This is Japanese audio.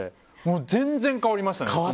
全然、変わりましたね。